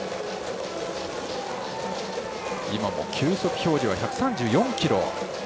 今も球速表示は１３４キロ。